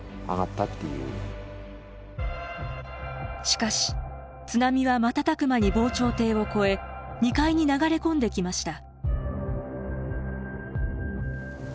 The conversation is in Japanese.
しかし津波は瞬く間に防潮堤を越え２階に流れ込んできました。